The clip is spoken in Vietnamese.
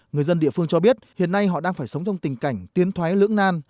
người dân địa phương cho biết hiện nay họ đang phải sống trong tình cảnh tiến thoái lưỡng nan